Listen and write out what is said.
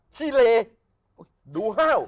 ที่เลดูเห้า